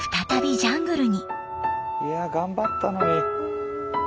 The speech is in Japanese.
いや頑張ったのに。